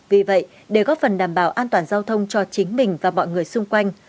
vì vậy để góp phần đảm bảo an toàn giao thông cho chính mình và mọi người xung quanh